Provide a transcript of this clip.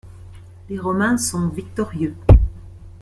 Les Romains sont victorieux.